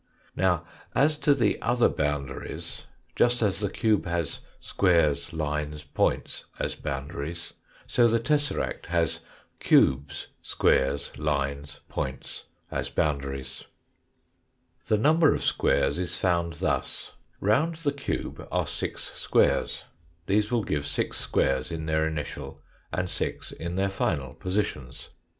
Now, as to the other boundaries, just as the cube has squares, lines, points, as boundaries, so the tesseract has ciibes, squares, lines, points, a,$ boundaries, THE SIMPLEST FOUR DIMENSIONAL SOLID 173 The number of squares is found thus round the cube are six squares, these will give six squares in their initial and six in their final positions.